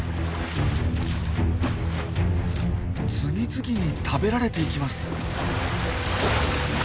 次々に食べられていきます。